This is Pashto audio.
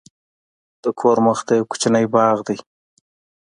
د کور مخته یو کوچنی باغ دی.